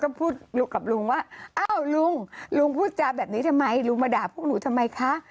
อ้าวลุงลุงพูดจาแบบนี้ทำไมลุงมาด่าพวกหนูทำไมคะ